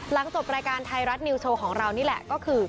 หลังจบรายการไทรัฐนิวโชว์ของเรานี่แหละ